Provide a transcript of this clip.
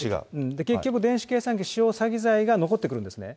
結局、電子計算機使用詐欺罪が残ってくるんですね。